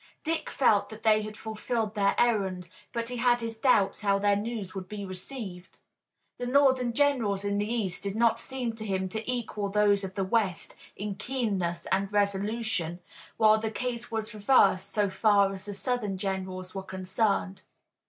Dick felt that they had fulfilled their errand, but he had his doubts how their news would be received. The Northern generals in the east did not seem to him to equal those of the west in keenness and resolution, while the case was reversed so far as the Southern generals were concerned.